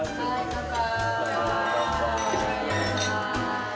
乾杯。